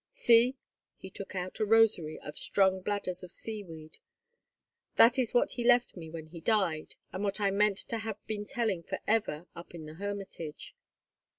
See"—and he took out a rosary of strung bladders of seaweed; "that is what he left me when he died, and what I meant to have been telling for ever up in the hermitage."